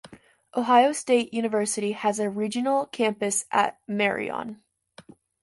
Ohio State University has a regional campus at Marion.